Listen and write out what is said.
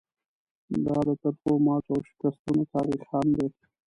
دا د ترخو ماتو او شکستونو تاریخ هم دی.